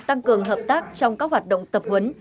tăng cường hợp tác trong các hoạt động tập huấn